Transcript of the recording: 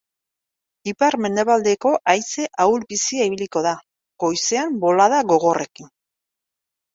Ipar-mendebaldeko haize ahul-bizia ibiliko da, goizean bolada gogorrekin.